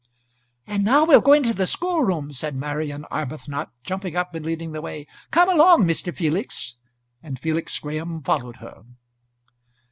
"And now we'll go into the schoolroom," said Marian Arbuthnot, jumping up and leading the way. "Come along, Mr. Felix," and Felix Graham followed her.